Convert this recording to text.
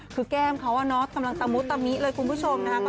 คือแก้มเขากำลังตะมุตะมิเลยคุณผู้ชมนะคะ